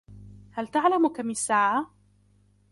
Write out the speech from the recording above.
هل تعلم كم الساعة ؟